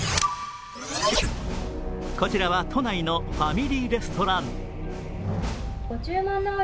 こちらは都内のファミリーレストラン。